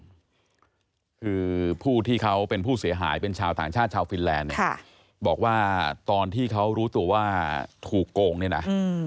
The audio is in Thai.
คือผู้ที่เขาเป็นผู้เสียหายเป็นชาวต่างชาติชาวฟินแลนด์เนี่ยบอกว่าตอนที่เขารู้ตัวว่าถูกโกงเนี่ยนะ